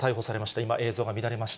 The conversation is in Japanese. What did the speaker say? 今映像が乱れました。